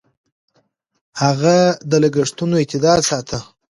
هغه د لګښتونو اعتدال ساته.